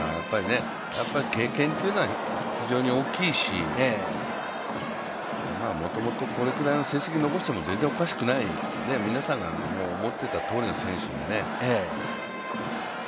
経験というのは非常に大きいし、もともとこのくらいの成績を残しても全然おかしくない、皆さんが思ってたとおりの選手でね。